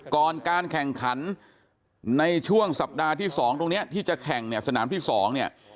ก่อนการแข่งขันในช่วงสัปดาห์ที่๒ตรงนี้ที่จะแข่งเนี่ยสนามที่๒เนี่ย